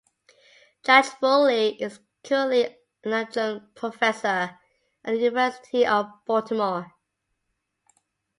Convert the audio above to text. Judge Foley is currently an adjunct professor at the University of Baltimore.